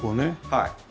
はい。